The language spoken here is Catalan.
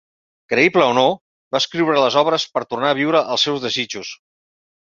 Creïble o no, va escriure les obres per tornar a viure els seus desitjos.